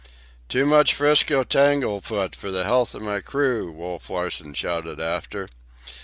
"Too much 'Frisco tanglefoot for the health of my crew!" Wolf Larsen shouted after.